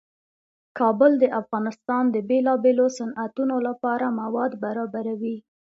کابل د افغانستان د بیلابیلو صنعتونو لپاره مواد برابروي.